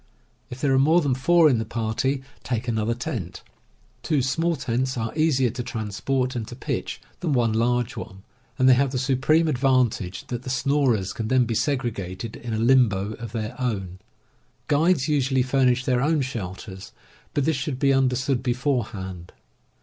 If there are more than four in the party, take another tent. Two small tents are easier to transport and to pitch than one large one, and they haye the supreme advantage that the snorers can then be segregated in a limbo of their own. Guides usually furnish their own shelters, but this should be understood beforehand.